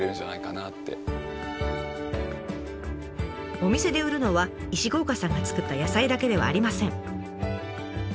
お店で売るのは石郷岡さんが作った野菜だけではありません。